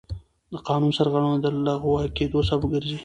د قانون سرغړونه د لغوه کېدو سبب ګرځي.